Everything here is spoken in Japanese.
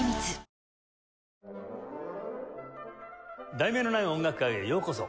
『題名のない音楽会』へようこそ。